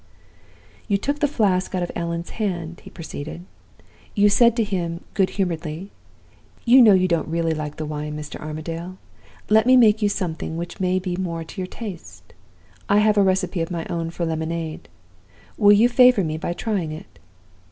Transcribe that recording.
"'You took the flask out of Allan's hand,' he proceeded. 'You said to him, good humoredly, "You know you don't really like the wine, Mr. Armadale. Let me make you something which may be more to your taste. I have a recipe of my own for lemonade. Will you favor me by trying it?"